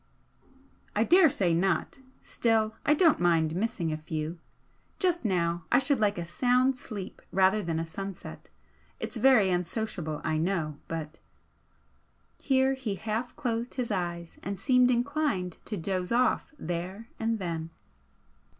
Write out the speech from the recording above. "I daresay not. Still, I don't mind missing a few. Just now I should like a sound sleep rather than a sunset. It's very unsociable, I know, but " here he half closed his eyes and seemed inclined to doze off there and then.